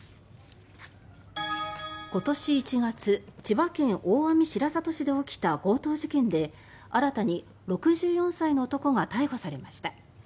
今年１月千葉県大網白里市で起きた強盗事件で新たに６４歳の男が逮捕されました。